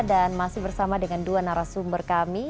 dan masih bersama dengan dua narasumber kami